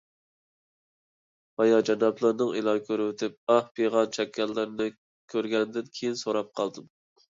بايا جانابلىرىنىڭ ئېلان كۆرۈۋېتىپ ئاھ - پىغان چەككەنلىكلىرىنى كۆرگەندىن كېيىن سوراپ قالدىم.